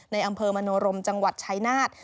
ในอำเภอมโนรมจังหวัดชายนาฏ